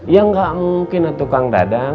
ya gak mungkin lah tukang dadang